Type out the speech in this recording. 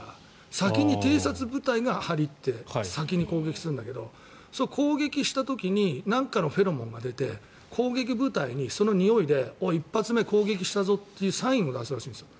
先に偵察部隊が先に攻撃するんだけど攻撃した時になんかのフェロモンが出て攻撃部隊に、そのにおいで１発目攻撃したぞというサインを出すらしいんですよ。